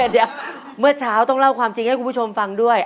เดี๋ยวเมื่อเช้าต้องเล่าความจริงให้คุณผู้ชมฟังด้วย